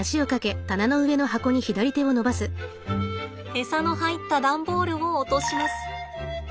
エサの入った段ボールを落とします。